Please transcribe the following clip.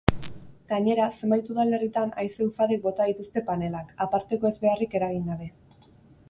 Gainera, zenbait udalerritan haize-ufadek bota dituzte panelak, aparteko ezbeharrik eragin gabe.